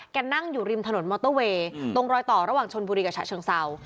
นั่งอยู่ริมถนนมอเตอร์เวย์ตรงรอยต่อระหว่างชนบุรีกับฉะเชิงเศร้า